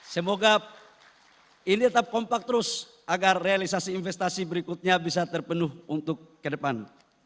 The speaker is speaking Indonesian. semoga ini tetap kompak terus agar realisasi investasi berikutnya bisa terpenuh untuk ke depan